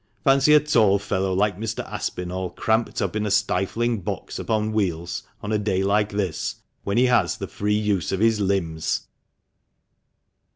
Fancy a tall fellow like Mr. Aspinall cramped up in a stifling box upon wheels on a day like this, when he has the free use of his limbs